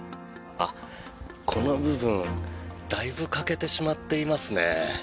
この部分だいぶ欠けてしまっていますね。